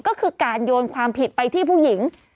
ก็คือการโยนความผิดไปที่ผู้หญิง